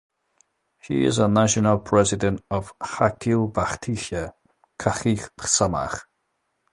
He is national president of Akhil Bhartiya Khatik Samaj.